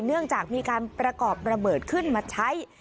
เนื่องจากมีการประกอบระเบิดขึ้นมาใช้